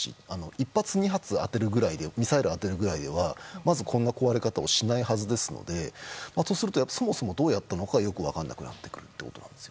１発、２発のミサイルを当てるぐらいはまずこんな壊れ方をしないはずですのでそうするとそもそもどうやったのかよく分からなくなるんです。